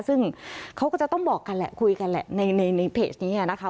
ซึ่งเขาก็จะต้องบอกกันแหละคุยกันแหละในเพจนี้นะคะ